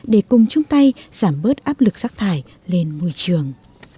để cùng chung tay giảm bớt áp lực rác thải lên môi trường